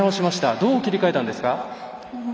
どう切り替えたんですか？